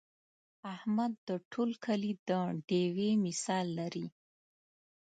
احمد د ټول کلي د ډېوې مثال لري.